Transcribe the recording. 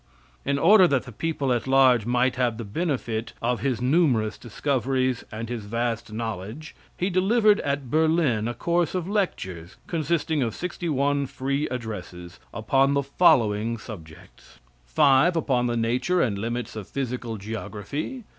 In order that the people at large might have the benefit of his numerous discoveries, and his vast knowledge, he delivered at Berlin a course of lectures, consisting of sixty one free addresses, upon the following subjects: Five upon the nature and limits of physical geography.